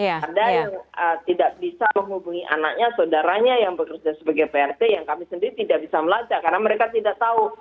ada yang tidak bisa menghubungi anaknya saudaranya yang bekerja sebagai prt yang kami sendiri tidak bisa melacak karena mereka tidak tahu